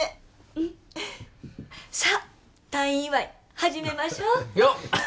うんさあ退院祝い始めましょうよっ！